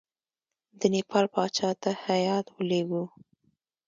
د نیپال پاچا ته هیات ولېږو.